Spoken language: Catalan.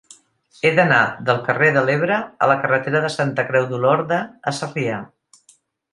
He d'anar del carrer de l'Ebre a la carretera de Santa Creu d'Olorda a Sarrià.